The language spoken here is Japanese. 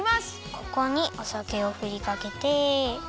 ここにおさけをふりかけて。